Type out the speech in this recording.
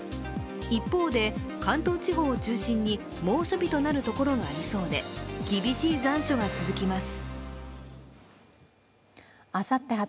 一方で、関東地方を中心に猛暑日となるところがありそうで厳しい残暑が続きます。